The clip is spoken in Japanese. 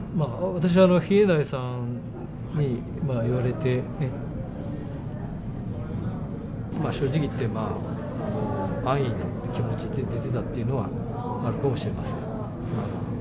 私、稗苗さんに言われて、正直言って、安易な気持ちで出てたっていうのはあるかもしれません。